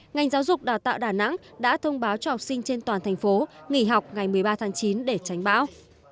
ngành giáo dục đào tạo đà nẵng đã thông báo cho học sinh trên toàn thành phố nghỉ học ngày một mươi ba tháng chín để tránh bão